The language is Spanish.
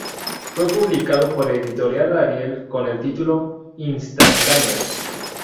Fue publicada por Editorial Ariel con el título "Instantáneas".